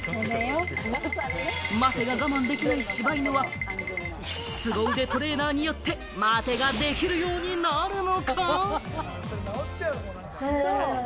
待てが我慢できない柴犬はすご腕トレーナーによって、待てができるようになるのか？